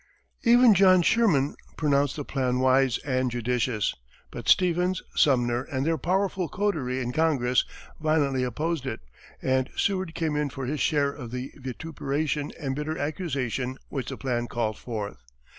Even John Sherman pronounced the plan "wise and judicious," but Stevens, Sumner, and their powerful coterie in Congress violently opposed it, and Seward came in for his share of the vituperation and bitter accusation which the plan called forth.